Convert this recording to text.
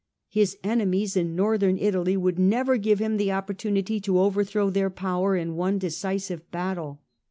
His enemies in Northern Italy would never give him the opportunity to over throw their power in one decisive battle.